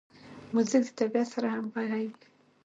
موزیک د طبیعت سره همغږی وي.